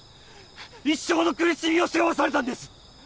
一生の苦しみを背負わされたんです